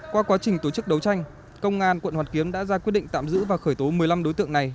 qua quá trình tổ chức đấu tranh công an quận hoàn kiếm đã ra quyết định tạm giữ và khởi tố một mươi năm đối tượng này